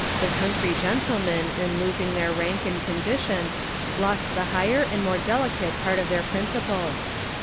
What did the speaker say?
The country gentlemen, in losing their rank and condition, lost the higher and more delicate part of their principles.